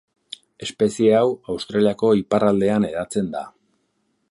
Espezie hau Australiako ipar aldean hedatzen da.